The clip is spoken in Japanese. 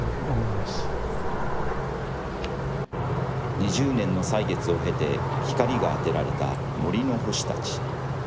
２０年の歳月を経て、光が当てられた森の星たち。